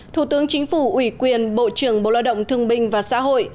thủ tướng chính phủ ủy quyền bộ trưởng bộ loạt động thương bình và xã hội